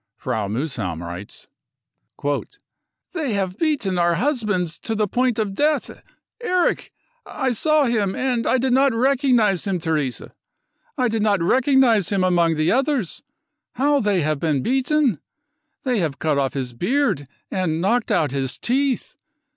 Frau Muhsam writes : 44 They have beaten our husbands to the point of death. Erich — I saw him, and I did not recognise him, Therese, I did not recognise him among the others ! How they have been beaten ! They have cut off his beard and knocked out his teeth.